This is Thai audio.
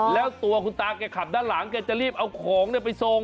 แล้วตัวคุณตาแกขับด้านหลังแกจะรีบเอาของไปส่ง